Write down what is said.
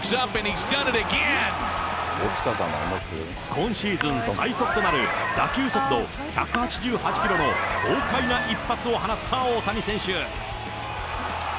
今シーズン最速となる打球速度１８８キロの豪快な一発を放った大谷選手。